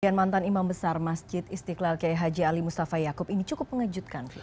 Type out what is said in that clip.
dan mantan imam besar masjid istiqlal kiai haji ali mustafa yaakob ini cukup mengejutkan